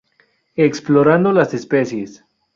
Explorando las especies..